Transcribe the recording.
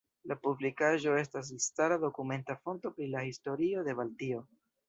La publikaĵo estas elstara dokumenta fonto pri la historio de Baltio.